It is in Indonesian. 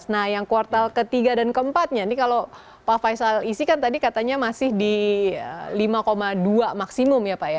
nah yang kuartal ketiga dan keempatnya ini kalau pak faisal isikan tadi katanya masih di lima dua maksimum ya pak ya